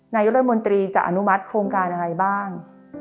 นายกรัฐมนตรีจะอนุมัติโครงการอะไรบ้าง